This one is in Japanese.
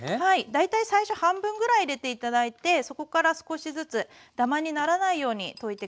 大体最初半分ぐらい入れて頂いてそこから少しずつダマにならないように溶いて下さい。